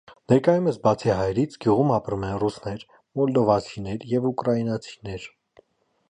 Ներկայումս, բացի հայերից, գյուղում ապրում են ռուսներ, մոլդովացիներ և ուկրաինացիներ։